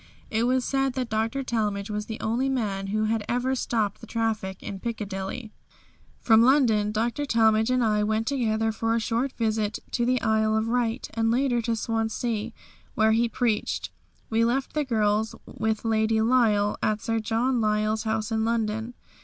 It was said that Dr. Talmage was the only man who had ever stopped the traffic in Piccadilly. From London Dr. Talmage and I went together for a short visit to the Isle of Wight, and later to Swansea where he preached; we left the girls with Lady Lyle, at Sir John Lyle's house in London.